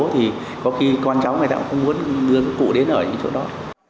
thì có khi con cháu này cũng không muốn đưa cụ đến ở những chỗ đó